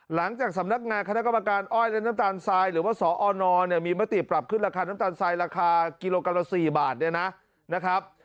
หลังจากสำนักงานคณะกรรมการอ้อยและน้ำตาลทรายหรือว่าสอนเนี่ยมีมติปรับขึ้นราคาน้ำตาลทรายราคากิโลกรัมละ๔บาทเนี่ยนะครับ